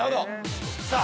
◆さあ